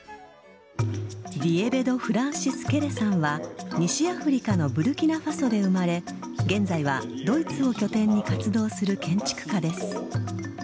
ディエベド・フランシス・ケレさんは西アフリカのブルキナファソで生まれ現在はドイツを拠点に活動する建築家です。